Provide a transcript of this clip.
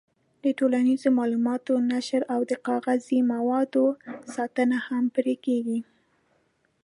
د ټولنیزو معلوماتو نشر او د غذایي موادو ساتنه هم پرې کېږي.